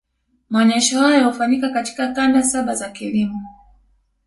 maonesho hayo hufanyika katika kanda saba za kilimo